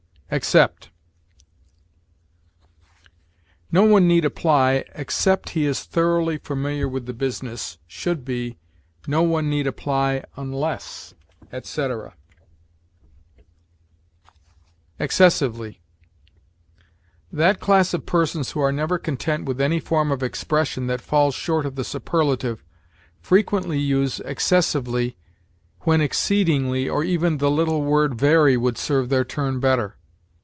EXCEPT. "No one need apply except he is thoroughly familiar with the business," should be, "No one need apply unless," etc. EXCESSIVELY. That class of persons who are never content with any form of expression that falls short of the superlative, frequently use excessively when exceedingly or even the little word very would serve their turn better.